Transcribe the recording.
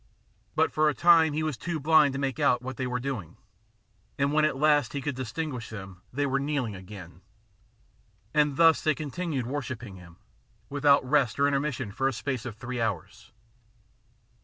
But for a time he was too blind to make out what they were doing, and when at last he could distinguish them, they were kneeling again. And thus they con tinued worshipping him, without rest or intermis sion, for the space of three hours.